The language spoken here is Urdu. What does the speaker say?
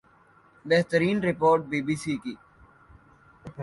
ہترین رپورٹ بی بی سی کی